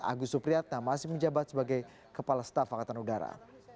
agus supriyatna masih menjabat sebagai kepala staf angkatan udara